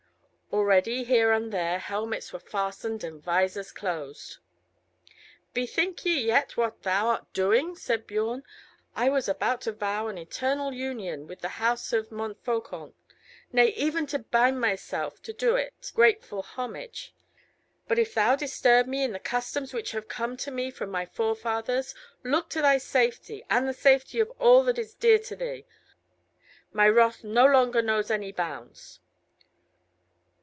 Already here and there helmets were fastened and visors closed. "Bethink thee yet what thou art doing," said Biorn. "I was about to vow an eternal union with the house of Montfaucon, nay, even to bind myself to do it grateful homage; but if thou disturb me in the customs which have come to me from my forefathers, look to thy safety and the safety of all that is dear to thee. My wrath no longer knows any bounds."